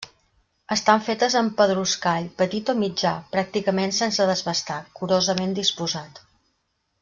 Estan fetes amb pedruscall petit o mitjà, pràcticament sense desbastar, curosament disposat.